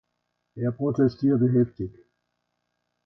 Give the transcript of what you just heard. Er protestierte heftig.